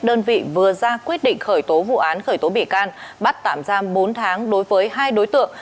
đơn vị vừa ra quyết định khởi tố vụ án khởi tố bị can bắt tạm giam bốn tháng đối với hai đối tượng